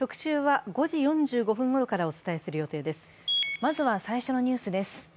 まずは最初のニュースです。